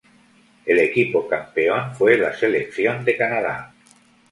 El equipo campeón fue la selección de Canadá.